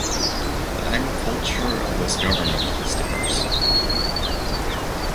The agriculture of this governorate is diverse.